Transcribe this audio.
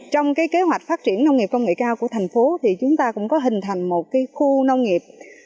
trong kế hoạch phát triển nông nghiệp công nghệ cao của thành phố thì chúng ta cũng có hình thành một khu nông nghiệp